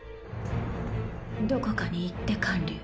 ・どこかに行って観柳。